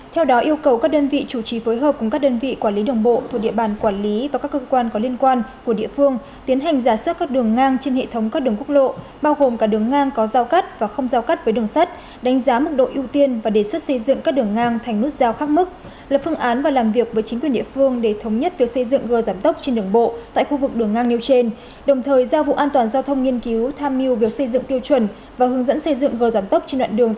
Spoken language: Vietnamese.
theo đó yêu cầu các đơn vị chủ trí phối hợp cùng các đơn vị quản lý đồng bộ thuộc địa bàn quản lý và các cơ quan có liên quan của địa phương tiến hành giả soát các đường ngang trên hệ thống các đường quốc lộ bao gồm cả đường ngang có giao cắt và không giao cắt với đường sắt đánh giá mức độ ưu tiên và đề xuất xây dựng các đường ngang thành nút giao khắc mức lập phương án và làm việc với chính quyền địa phương để thống nhất việc xây dựng gờ giảm tốc trên đường bộ tại khu vực đường ngang nêu trên đồng thời giao vụ an toàn giao thông nghiên cứu tham mưu việc